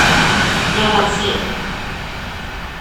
no lo han sido.